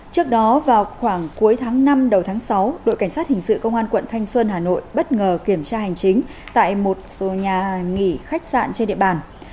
trước đó vào khoảng cuối tháng năm đầu tháng sáu đội cảnh sát hình sự công an quận thanh xuân hà nội bất ngờ kiểm tra hành chính tại một số nhà nghỉ khách sạn trên địa bàn